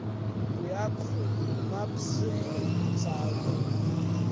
Уи акәхеит, мап сзымҳәеит, саагылт.